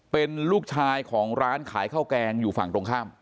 เป็นลูกชายของร้านขายข้าวแกงอยู่ฝั่งตรงข้าม